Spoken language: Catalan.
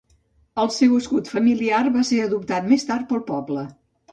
El seu escut familiar va ser adoptat més tard pel poble.